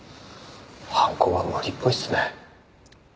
犯行は無理っぽいっすね。